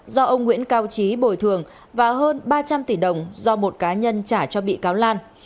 do ông nguyễn cao trí bồi thường và hơn ba trăm linh tỷ đồng do một cá nhân trả cho bị cáo lan